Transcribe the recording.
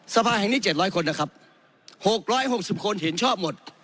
สภาแห่งนี้๗๐๐คนนะครับ๖๖๐คนเห็นชอบหมด